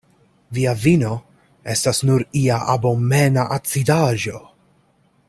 Via vino estas nur ia abomena acidaĵo.